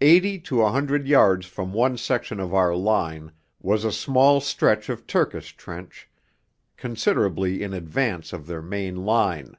Eighty to a hundred yards from one section of our line was a small stretch of Turkish trench, considerably in advance of their main line.